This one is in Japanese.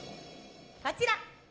こちら。